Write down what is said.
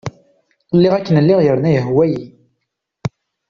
Lliɣ akken lliɣ yerna yehwa-iyi.